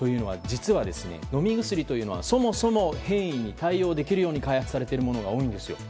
飲み薬というのはそもそも変異に対応できるように開発されているものが多いんです。